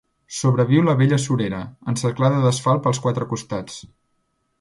Sobreviu la vella surera, encerclada d'asfalt pels quatre costats.